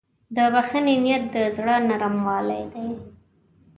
د بښنې نیت د زړه نرموالی دی.